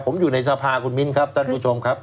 ผมอยู่ในสภาคุณมิ้นครับท่านผู้ชมครับ